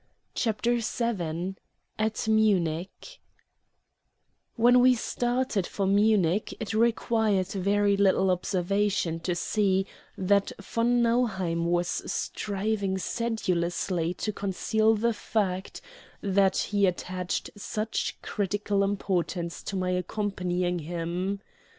CHAPTER VII AT MUNICH When we started for Munich it required very little observation to see that von Nauheim was striving sedulously to conceal the fact that he attached such critical importance to my accompanying him.